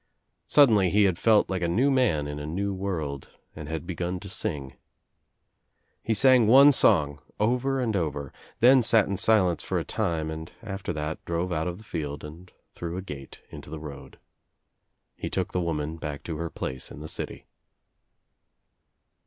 Suddenly he had felt like a new man In a new world and had begun to sing. He sang one song over and over, then sat In silence for a time and after that drove out of the field and through a gate Into the road. He took the woman back to her place In the city.